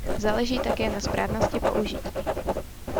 Záleží také na správnosti použití.